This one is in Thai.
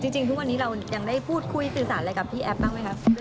จริงทุกวันนี้เรายังได้พูดคุยสื่อสารอะไรกับพี่แอฟบ้างไหมครับ